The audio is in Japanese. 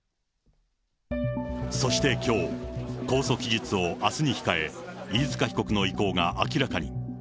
そしてきょう、控訴期日をあすに控え、飯塚被告の意向が明らかに。